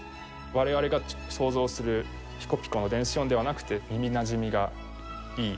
我々が想像するピコピコの電子音ではなくて耳なじみがいい